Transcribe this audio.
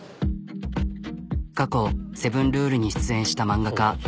過去「セブンルール」に出演した。